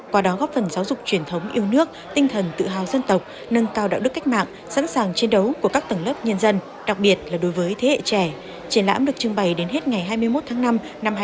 qua đó góp phần giáo dục truyền thống yêu nước tinh thần tự hào dân tộc nâng cao đạo đức cách mạng sẵn sàng chiến đấu của các tầng lớp nhân dân đặc biệt là đối với thế hệ trẻ triển lãm được trưng bày đến hết ngày hai mươi một tháng năm năm hai nghìn hai mươi bốn